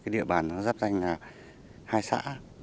địa bàn nó dắt danh hai xã